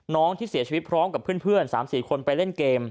น้องที่เสียชีวิตพร้อมกับเพื่อน๓๔คนไปเล่นเกม